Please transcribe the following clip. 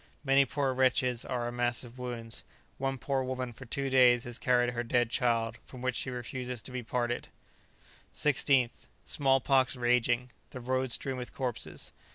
Many poor wretches are a mass of wounds. One poor woman for two days has carried her dead child, from which she refuses to be parted. 16th. Small pox raging; the road strewn with corpses.